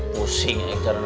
pusing yang kenalamu